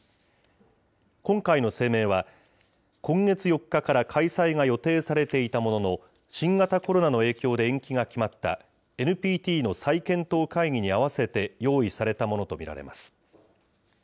今回の声明は、今月４日から開催が予定されていたものの、新型コロナの影響で延期が決まった、ＮＰＴの再検討会議に合わせて用意されたものと見られます。